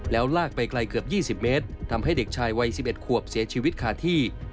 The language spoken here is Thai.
แล้วลากไปไกลเกือบ๒๐เมตรทำให้เด็กชายวัย๑๑ขวบเสียชีวิตขาดที่